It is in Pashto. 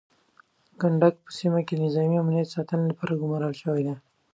کنډک په سیمه کې د نظامي امنیت د ساتنې لپاره ګمارل شوی دی.